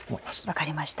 分かりました。